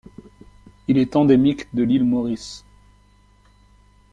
Il est endémique de l'île Maurice.